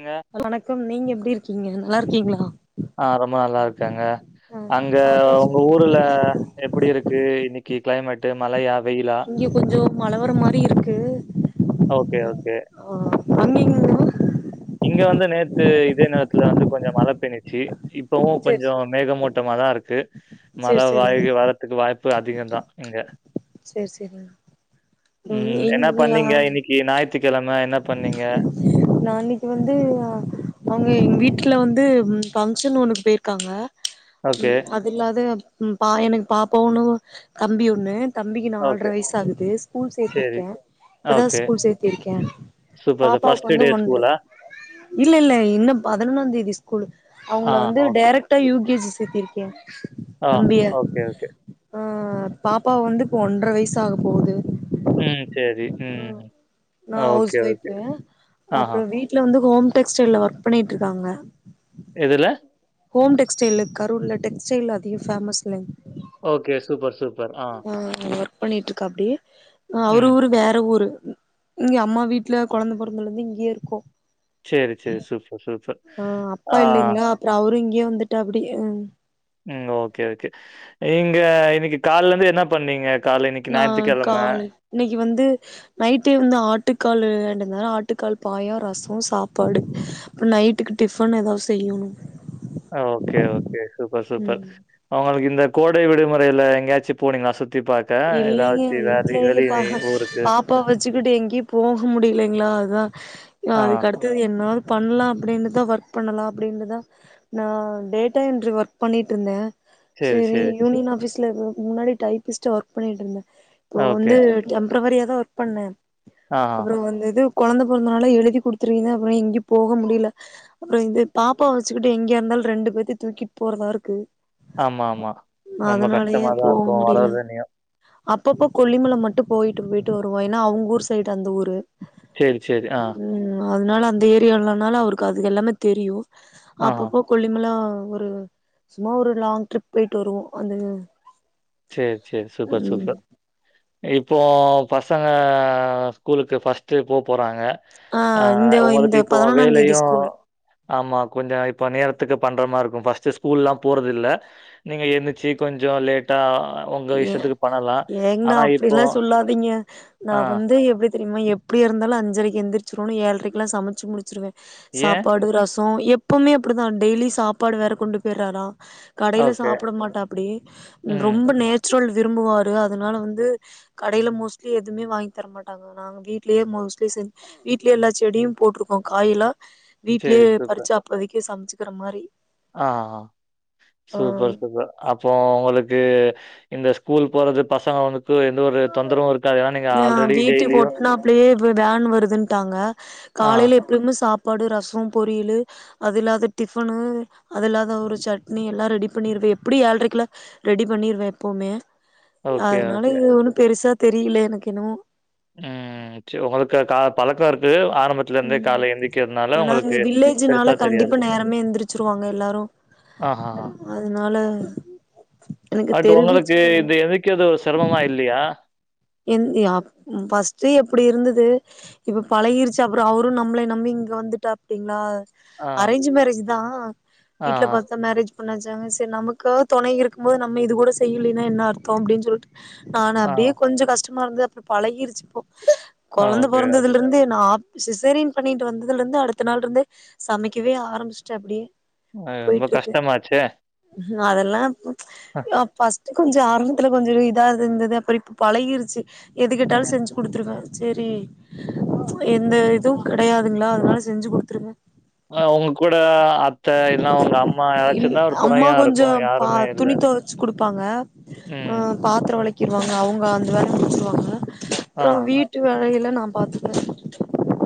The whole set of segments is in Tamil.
ங்க. வணக்கம் நீங்க எப்டி இருக்கீங்க நல்லா இருக்கீங்ளா அ ரொம்ப நல்லா இருக்கங்க அங்க சாப்ட்டாச்சு உங்க ஊருல எப்படி இருக்கு இன்னிக்கு கிளைமேட்டு மலயா இங்க கொஞ்சோ மல வர மாரி இருக்கு ஓகே ஓகே ஆ அங்கீங்களா இங்க வந்து நேத்து இதே நேரத்துல வந்து கொஞ்சொ மழ பேஞ்சிச்சி இப்பவு சேரி கொஞ்சொ சேரி மேகமூட்டமாதா இருக்கு மழ சேரி வாய் சேரிங்க வர்றத்துக்கு வாய்ப்பு அதிகந்தா இங்க [inaudible] சேர் சேரிணா உம் என்ன பண்ணீங்க இன்னக்கி ஞாயித் த்திக்கெழம என்ன பண்ணீங்க இங்க வந்து அவுங்க எங்க வீட்ல வந்து ஃபங்க்ஷன் ஒன்னுக்கு போயிருக்காங்க ஓகே, உம் அது இல்லாத ம் பா எனக்கு பாப்பா ஒன்னு தம்பி ஒண்ணு தம்பிக்கு நால்ர ஓகே. வயசாகுது ஸ்கூல் சரி. சேத்திருக்கே இப்பதா ஓகே. ஸ்கூல் சேத் கே சூப்பர் சார். பாப்பாவுக்கு ஃபர்ஸ்ட் வந்து டே ஒன்ர ஸ்கூலா? இல்ல இல்ல இன்னு பதினொன்னாந் தேதி ஸ்கூலு ஆ அவுங்கள வந்து ஓகே. டேரக்டா யு கே ஜி சேத்திருக்கே ஆ ஓகே ஓகே பாப்பாவ வந்து இப்ப ஒன்ர வயசாக போகுது ம் சேரி நா ஹவுஸ் வைஃபு ஆஹா. அப்றோ வீட்ல வந்து ஹோம் டெக்ஸ்டைல்ல ஒர்க் பண்ணிட்ருக்காங்க எதுல ஹோம் டெக்ஸ்டைல்ல கரூர்ல டெக்ஸ்டைல் அதிக ஃபேமஸ்ல்லேங் ஓகே சூப்பர் சூப்பர் ஆ பண்ணிட்ருக்காப்புடி அவ்ரு ம். ஊரு வேற ஊரு இங்க அம்மா வீட்ல கொழந்த பொறந்தலேந்து இங்கேயே இருக்கோ சேரி சேரி சூப்பர் சூப்பர் ஆ அப்பா ஆ. இல்லைங்ளா அப்றோ அவ்ரு இங்கயே வந்துட்டாப்புடி அ உம் ஓகே ஓகே நீங் க இன்னக்கி கால்லேந்து என்னா பண்ணீங்க காலைல இன்னைக்கு நா ஞாயித்துக்கிழமை. கால இன்னக்கி வந்து நைட்டு வந்து ஆட்டுக் காலு வாய்ண்ட்டு வந்தனால ஆட்டுக்கால் பாயா ரசொ சாப்பாடு அப்றோ நைட்டுக்கு டிஃபனு ஏதாவ்து செய்யணு அ ஓகே ஓகே சூப்பர் சூப்பர் ம் உங்களுக்கு இந்த கோடை விடுமுறையில எங்கேயாச்சும் போனீங்கலா சுத் இல்லைங்க வீட்லயே பா ஊருக்கு? பாப்பா வச்சுக்கிட்டு எங்கேயு போக முடியலைங்களா அதுதா ஆ. அதுக்கு அடுத்தது என்னா பண்ணலா அப்படின்னு தா ஒர்க் பண்ணலா அப்படின்டு தா நா டேட்டா என்ட்ரி ஒர்க் பண்ணிட்டு இருந்த சரி யூனியன் ஆஃபிஸ் க்கு முன்னாடி டைப்பிஸ்ட் ஆ ஒர்க் பண்ணிட்டருந்தே இப்போ ஓகே. வந்து டெம் ப்ரவரியா தா ஒர்க் பண்ணே ஆஹா. அப்புற வந்து இது கொழந்த பொறந்தனால எழுதி குடுத்துருவீங்க அப்புற எங்கியு போக முடியல அப்புற இந்த பாப்பா வச்சுக்கிட்டு எங்கயா இருந்தாலு ரெண்டு பேத்தையு தூக்கிட்டு போறதா இருக்கு ஆமா ஆமா ரொம்ப அதனாலயே கஷ்டமாதா போக இருக்கு முடியல வளரந்துனியு அப்பப்போ கொல்லிமல மட்டு போயிட்டு போயிட்டு வருவோ ஏன்னா அவுங்கூர் சைடு அந்த ஊரு ச்சேரி ச்சேரி ஆ ம் அதனால அந்த ஏரியானால அவருக்கு அது எல்லாமே தெரியும் ஆஹா. அப்பப்போ கொல்லிமல ஒரு சும்மா ஒரு லாங் ட்ரிப் போயிட்டு வருவோ அந்த ச்சேரி ச்சேரி சூப்பர் ம் சூப்பர் இப்போ பசங்க ஸ்கூலுக்கு ஃபர்ஸ்ட்டு போ போறாங்க ஆ இந்த உங்களுக்கு இந்த இப்போ பதினொன்னாந் தேதி வேலையு ஸ்கூலு ஆமா கொஞ்ச இப்ப நேர இதுக்கு பண்றமாரி இருக்கு ஃபஸ்ட் ஸ்கூல் எல்லா போறதில்லை நீங்க எந்துரிச்சு கொஞ்ச லேட் டா ஏ ஏங்னா இப்போ அப்படிலா சொல்லாதீங்க நா ஆ வந்து எப்படி தெரியுமா எப்புடியா இருந்தாலு அஞ்சரைக்கு எந்துரிச்சரோனு ஏழ்ரைக்கலா சமைச்சு முடிச்சுடுவே ஏன்? சாப்பாடு ரச ஓ எப்பவுமே அப்படிதா டெய்லி சாப்பாடு வேற கொண்டு போயிடறாரா கடையில ஓகே. சாப்பிட மாட்டாப்படி ம். ரொம்ப நே ல் விரும்புவாரு அதனால வந்து கடையில மோஸ்ட்லி எதுமே வாங்கி தரமாட்டாங்க நாங்க வீட்லயே மோஸ்ட்லி செஞ் வீட்லே எல்லா செடியு போட்டிருக்கோ காயல்லா சரி வீட்லயே சூப்பர். பறிச்சு அப்போதைக்கே சமைச்சு இருக்கற மாரி ஆ ஆ சூப்பர் சூப்பர் அப்போ உங்களுக்கு கு இந்த ஸ்கூல் போறது பசங்க வந்து ஆஹ் வீட்டுக்கு டெய்லியும் ஒட்னாப்லயே இ வேன் வருதுன்ட்டாங்க ஆ. காலையில எப்புமே சாப் பாடு ரச பொரியலு அது இல்லாத டிஃபனு அது இல்லாத ஒரு சட்னி எல்லா ரெடி பண்ணிருவே எப்டியு ஏழ்ரைக்கலா ரெடி பண்ணிருவே எப்பவுமே ஓகே, ஓகே. அதனால இது ஒன்னு பெரிசா தெரியல எனக்கு என்னவோ து ம் ஏன்னா இங்க பெருசா வில்லேஜ்னால தெரியாது. கண்டிப்பா நேரமே எந்திரிச்சிருவாங்க எல்லாரு ஆஹஹா! அதனால எனக்கு பட் உங்களுக்கு தெரிவிச்சுக்கல இது எந்திரிகிறது செரமமா இல்லயா? எந் அப் ம், ஃபஸ்டு எப்டி இருந்துது இப்ப பழகிருச்சு அப்பறோ அவரும் நம்பள நம்பி இங்க வந்துட்டாப்புடிங்களா ஆ, அரேஞ்ச் மேரேஜ் தா ஆ, வீட்ல பாத்துதா மேரேஜ் பண்ண வச்சாங்க சேரி நமக்காது தொணை இருக்கும்போது நம்ம இது கூட செய்யிலின்னா என்ன அர்த்தோ அப்டின்னு சொல்லிட்டு நானு ஆ, ஆ. அப்டியே கஷ்டமா இருந்தது அப்புற பழகிருச்சு இப்போ கொழந்த ஓகே. பொறந்ததுல இருந்தே நா சிசேரியன் பண்ணிட்டு வந்ததுல்ருந்து அடுத்த நாள் இருந்தே சமைக்கவே ஆரம்பிச்ட்ட அப்டி அ ரொம்ப கஷ்டமாச்சே அதெல்லா ஆ ஃபஸ்ட் கொஞ்ச ஆரம்பத்துல கொஞ்ச இதா இருந்துது அப்புற இப்ப பழகிருச்சு எது கேட்டாலு ம். செஞ்சு குடுத்துருவ செரி எந்த இதுவு கெடையாதுங்ளா அதனால செஞ்சு குடுத்துருவ அ உங்க கூட அத்தை இல்லனா உங்க அம்மா இல் யாராச்சும் இருந்தா ஒரு அம்மா துணையா கொஞ்ச இருக்கும். பா யாருமே இல்ல. துணி தொவச்சு குடுப்பாங்க ஆ ம். பாத்திர வெளக் கிருவாங்க அவங்க அந்த வேலய முடிச்சுருவாங்க ஆ. நா வீட்டு வேலையெல்லா நா பாத்துக்கற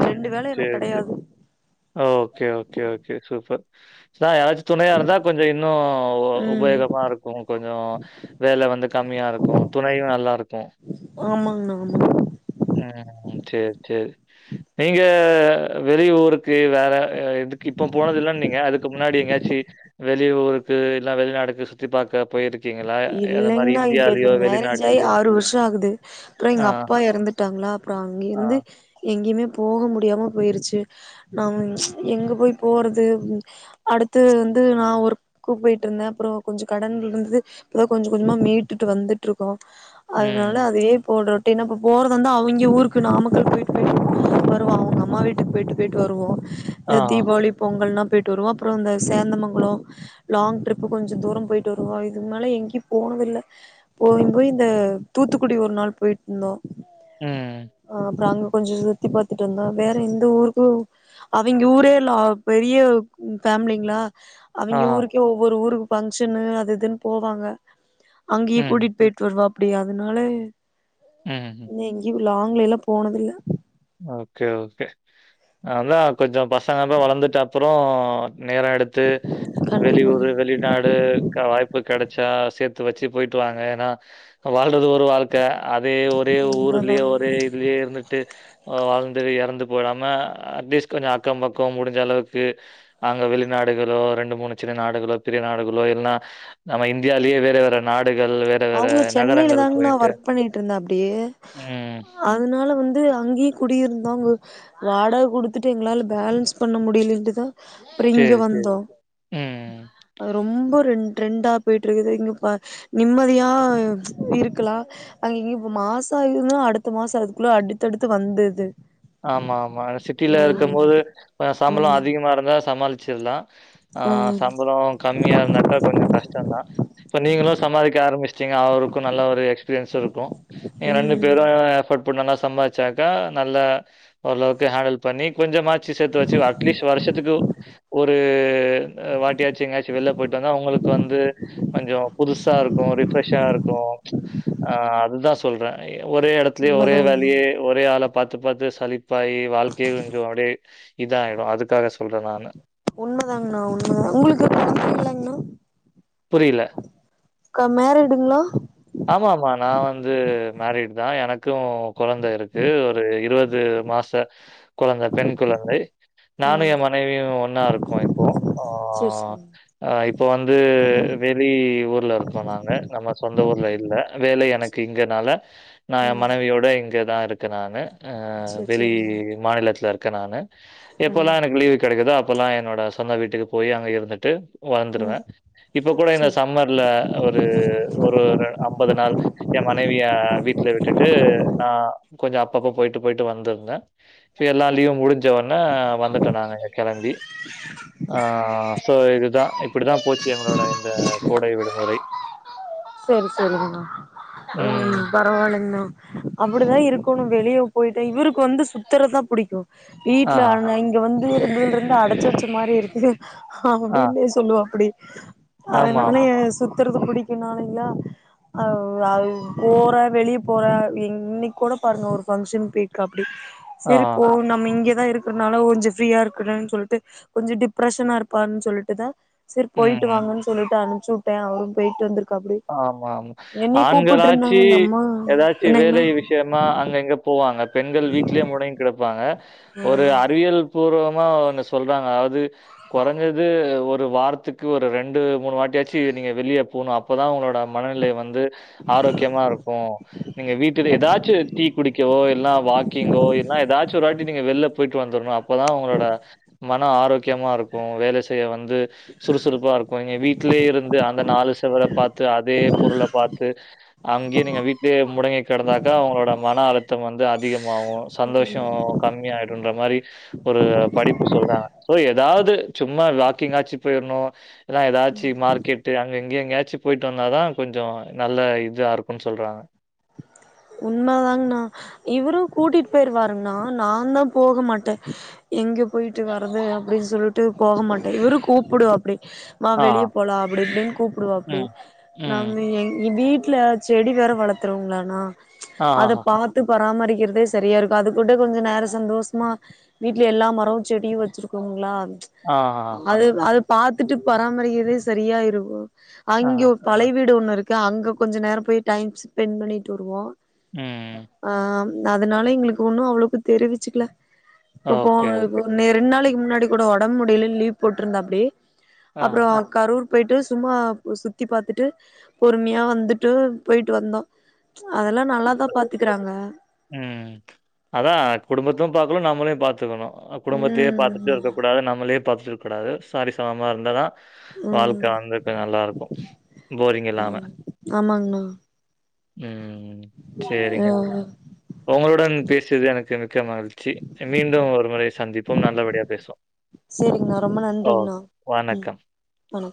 ம் சேர் சேர் ஓகே ஓகே ஓகே சூப்பர் அதா யாராச்சு துணையா இருந்தா கொஞ்ச இன்னு ம் உபயோகமா இருக்கு கொஞ்ச வேல வந்து கம்மியா இருக்கு துணையு நல்லாருக்கு ஒண்ணு ஒண்ணு ம் சேர் சேர் நீங்க வெளியூருக்கு வேற எதுக்கு இப்ப போனது இல்லன்னிங்க அதுக்கு முன்னாடி எங்காச்சி வெளியூருக்கு இல்ல வெளிநாடுக்கு சுத்தி பாக்க இல்லைங்னா இங்க இந்த மேரேஜ் ஆயி வெளிநாட்டுலயோ? ஆறு வருஷ ஆகுது அப்புற ஆ, எங்கப்பா எறந்துட் டாங்ளா அப்புற ஆ. அங்கிருந்து எங்கிமே போக முடியாம போயிருச்சி நா எங்க போய் போறது அடுத்து வந்து நா ஒர்க்கு போய்ட்ருந்த அப்பறோ கொஞ்சொ கடன் ருந்துது இப்பதா கொஞ்ச கொஞ்சமா மீட்டுட்டு வந்துட்ருக்கோ ம். அதுனால அதையே போட ட்டினா இப்போ போறது வந்து அவிங்க ஊருக்கு நாமக்கல் போய்ட்டு போய்ட்டு வருவா அவுங்க அம்மா வீட்டுக் போய்ட்டு போய்ட்டு வருவோ எ ஆஹா. தீபாவளி பொங்கல்னா போயிட்டு வருவோ அப்பறோ அந்த சேந்தமங்கலொ லாங் ட்ரிப்பு கொஞ்சொ தூரம் போயிட்டு வருவோ இதுக்கு மேல எங்கேய் போனதில்ல போயிம் போயிம் இந்த தூத்துக்குடி ஒரு நாள் போயிட்டந்தோ ம். ஆ ப்ராங்கு கொஞ்சொ சுத்தி பாத்துட்டு வந்தோ வேற எந்த ஊருக்கு அவிங்க ஊரே லா பெரிய ஃபேமிலிங்ளா அவிங்க ஆஹா. ஊருக்கே ஒவ்வொரு ஊருக் ஃபங்ஷனு அது இதுன் போவாங்க அங்கயே ம். கூட்டிட்டு போயிட்ருந்தாரு அப்டி அதுனால ம். நீங்கிப் லாங்லா போனதுல்ல ஓகே ஓகே அதா கொஞ்ச பசங்களு வளந்துட்ட அப்றோ நேர எடுத்து கண்டிப்பாங்க வெளியூறு வெளிநாடு க்கா வாய்ப்பு கெடைச்சா சேத்து வச்சு போயிட்டு வாங்க ஆனா இப்ப வாழ்றது ஒரு வாழ் க்க அதே ஒரே ஊருக்குள்ளே உண்மதாங்க ஒரே இதுலே இருந்துக்ட்டு வாழ்ந்து எறந்து போகாம அட்லீஸ்ட் கொஞ்ச அக்க பக்க முடிஞ்சளவுக்கு அங்க வெளிநாடுகளோ ரெண்டு மூணு சின்ன நாடுகளோ பெரிய நாடுகளோ இல்னா நம்ம இந்தியாலே வேற வேற நாட் அவ்ங்க சென்னைல தாங்ணா ஒர்க் பண்ணிட்ருந்தாப்டி ம். அதனால வந்து அங்கே குடி இருந்தோனுவை வாடக குடுத்துட்டு எங்களால பேலன்ஸ் பண்ண முடியலைன்ட்டு தா அப்ற இங்க சரி, சரி. வந்தோ ம். அது ரொம்ப ரொம் ட்ரெண்டா போயிட்டு இருக்குது இங்கப்பா நிம்மதியாக இருக்கலா அங்கிங்கயு மாசா இருந்த அடுத்த மாச அதுக்குள்ள அடுத்தடுத்து வந்துது ஆமா ஆமா சிட்டில இருக்கும் போது ஆ ம் சம்பள அதிகமா இருந்தா சமாளிச் [unintelligible] ஆஹ் ம் சம்பளோ கம்மியா இருந்தாக்கா கொஞ்சோ கஷ்டம்தான் இப்ப நீங்களும் சம்பாதிக்க ஆரம்பிச் ட்டிங்க அவருக்கும் நல்ல ஒரு எக்ஸ்பீரியன்ஸ் இருக்கு நீங்க ரெண்டு ம் பேரும் எஃபர்ட் போட் நல்லா சம்பாதிச்சாக்கா நல்ல ஓரளவுக்கு ஹேண்டல் பண்ணி கொஞ்சமாச் ச்சி சேர்த்து வச்சு அட்லீஸ்ட் வருஷத்துக்கு ஒரு க்கு வாட்டியாச்சு எங்கயாச்சு வெள்ல போய்ட்டு வந்தா அவங்களுக்கு வந்து கொஞ்சோ புதுசா இருக்கும் ரிஃப்ரெஷ்ஷா இருக்கும் ப்ச் ஆ அதுதான் சொல்றே ஒரே எடத்துலயே ஒரே உண்மதா உண்ம வேலயே ஒரே ஆலப் பாத்து பாத்து சலிப்பாயி வாழ்க்கையே கொஞ்சோ அப்படியே இதாயிடும் அதுக்காக சொல்றேன் நானு உண்மதாங்ண்ணா உண்மைதா உங்களுக்கு படிப்பில்லைங்ண்ணா புரியல. க்கா மேரிடுங்களா ஆமா ஆமா நான் வந்து மேரிட்தான் எனக்கு கும் கொழந்த இருக்கு ஒரு இருவது மாச கொழந்த பெண் கொழந்தை நானும் ம் என் மனைவியும் ஒன்னா இருக்கோம இப்போ சேரி சேரிங்க ஆஆ இப்போ வந்து வெளி ஊர்ல இருக்கோ நாங்க நம்ம சொ அந்த ஊர்ல இல்ல வேலை எனக்கு இங்கனால நான் என் ம் மனைவியோட இங்கதான் இருக்க நானு அஹ் சேரி வெளி சேரிங்க மாநிலத்துல இருக் க்க நானு எப்பொல்லா ம் எனக்கு லீவு கிடைக்குதோ அப்பெல்லாம் என்னோட சொந்த வீட்டுக்கு போய் அங்க இருந்துட்டு ம் வந்துருவேன் இப்ப கூட இந்த சேரி சம்மர்ல ஒரு ஒரு அம்பது நாள் என் மனைவிய வீட்ல விட்டுட்டு நான் கொஞ்சோ அப்பப்ப போயிட்டு போயிட்டு வந்திருந்தேன் இப்ப எல்லாம் லீவும் முடிஞ்சோன்ன வந்துட்டோம் நாங்க இங்க கிளம்பி ஆஹ்ஹ் சோ இதுதான் இப்டிதான் போச்சி எங்களோட இந்த கோடை விடுமுறை செரி செரிங்கண்ணா ம். உம் பரவால்லிங்கண்ணா அப்டிதான் இருக்கோணு வெளியவ் போயிட்டே இவருக்கு வந்து சுத்தரதான் புடிக்கும் வீட்ல ஆஹா. ஆனா இங்க வந் இதில்ருந்தா அடச்சி வச்ச மாரி இருக்குது ஹ ஹ ஆ. அப்படின்னே சொல்லுவாப்டி அத ஆமா, நானே ஆமா. சுத் துருது புடிக்குனாலெ [unintelligible] அ போறே வெளியே போறே என்னைக்கு கூட பாருங்க ஒரு பங்க்ஷன் பேயிரு ஆஹா. செரிப்போ நம்ம இங்க இருக்கற்னால கொஞ்சோ ஃப்ரீயா இருக்கணுனு சொல்ட்டு கொஞ்சோ டிப்ரஷனா இருப்பான் சொல்ட்டு தா செரி ம், போயிட்டு ம். வாங்கன்னு சொல்லிட்டு அனுப் சுப்ட்டே அவரு போயிட்டு வந்துருக்காங் ஆமா ஆமா இருந்தாங்க ஆண்காலாச்சி அந்த அம்மா ஏதாச்சி என்னங்கன்னா வேலை விஷியமா அங்க இங்க போவாங்க பெண்கள் வீட்லயே மொடங் கெடப்பா ங்க ஒரு ம் அறிவியல் பூர்வம் மா ஒன்னு சொல்றாங்க அதாவது கொறஞ்சது ஒரு புரோ வாரத்துக்கு ஒரு ரெண்டு மூணு வாட்டியாச்சி நீங்க வெளியே போணு அப் இப்பதா உங்களோட மனநிலை வந்து ஆரோக்கியமா இருக்கு நீங்க வீட்டுது ஏதாச்சு டி குடிக்கவோ எல்லா வாக்கிங்கோ என்ன ஏதாச்சி ஒரு வாட்டி நீங்க வெள்ள போயிட்டு வந்தர்னு அப்பதா உங்களோட மன ஆரோக்கியமா இருக்கு வேல செய்ய வந்த் து சுறுசுறுப்பா இருக்கு இங்க வீட் வீட்லயே இருந்து அந்த நாலு [unintelligible] பாத்து அதே பொருள பாத்து அங்கயே நீங்க வீட்லயே முடங்கி கிடந்தாக்க அவுங்களோட மன அழுத்த வந்து அதிக மாவு சந்தோஷ ம் மாவு கம்மியாயிடுன்ற மாரி ஒரு படிப்பு சொல்றாங்க சோ ஏதாவது சும்மா வாக்கிங்காச்சு போயிரணு என்ன ஏதாச்சு மார்க்கெட்டு அங்க இங்க எங்கயாச்சு போயிட்டு வந்தாதா கொஞ்சோ நல்ல இதா இருக்குன் சொல்றாங்க உண்மதாங்ணா இவரு கூட்டிட்டு போயிருவாருங்ணா நா தா போக மாட்டே எங்க போயிட்டு வர்றது அப்படின் சொல்ட்டு போக மாட்டே இவரு கூப்புடுவாப்பிடி மா ஆஹா. வெளியே போலா அப்படி இப்டின்னு கூப்பிடுவாப்டி ம். ம். நம்ம எங் வீட் வீட்ல செடி வேற வளத் ற்றுருவ்ங்களானா அத ஆஹாஹா. பாத்து பராமரிக்கிறதே செரியா இருக்கு அது கூட கொஞ்சோ நேர சந்தோஷமா வீட்ல எல்லா மரோ செடியு வச்சிருக்கோங்களா ஆஹாஹா. அது அது பாத்துட்டு பராமரிக்கறதே செரியா இருக்கு ஆஹா. அங்யு பழய வீடு ஒண்ணு இருக்கு அங்க கொஞ்ச நேரோ போய் டைம் ஸ்பென் பண்ணிட்டு வருவோ உம் அதனால எங்களுக்கு ஒன்னு அவ்ளோக்கு தெரிவிச்சுக்கல இப்ப போ ஓகே, ஓகே. ரெண் நாளைக் க்கு முன்னாடி கூடோ ஒடம்பு முடியலனு லீவ் போட்டிருந்தாப்டி அப்றோ கரூர் பொய்ட்டு சும்மா சுத்தி பாத்துட்டு பொறும்யா வந்துட்டு பொயிட்டு வந்தோ அதெல்லா நல்லாதான் பாத்துக்குறாங்க உம் அதா குடும்பத்தும் பாக்லு நம்மளையும் பாத்துக்கணும் அ குடும்பத்தையே பாத்துட்டு ம் இருக்க கூடாது நம்மளையும் பாத்துட்ருக்க கூடாது சாரி சமமா இருந்ததா ம் வாழ்க்க வந்துட்டு நல்லாருக்கு போரிங் இல்லாம ம் ஆமாங்கண்ணா உம் ஆ சேரிங்க ஒங்களுடன் பேசியது எனக்கு மிக்க மகிழ்ச்சி மீண்டும் ஒரு முறை சந்திப்போம் நல்லபடியா பேசுவோம் சேரிங்ணா ரொம்ப ஓ! நன்றிங்ண்ணா உம் வணக்கம். ஆ